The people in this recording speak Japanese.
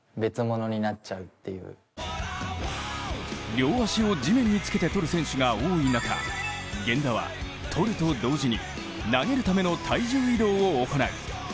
両足を地面につけて捕る選手が多い中、源田は捕ると同時に投げるための体重移動を行う。